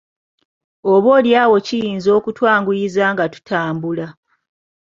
Oboolyawo kiyinza okutwanguyiza nga tutambula.